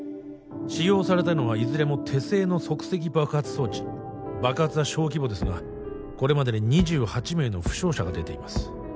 使用されたのはいずれも手製の即席爆発装置爆発は小規模ですがこれまでに２８名の負傷者が出ています